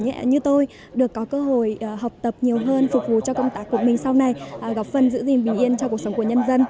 những người trẻ như tôi được có cơ hội học tập nhiều hơn phục vụ cho công tác của mình sau này gặp phần giữ gìn bình yên cho cuộc sống của nhân dân